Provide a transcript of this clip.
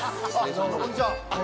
こんにちは。